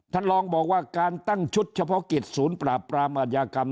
ท่านรองบอกว่าการตั้งชุดเฉพาะกิจศูนย์ปราบปรามอัธยากรรม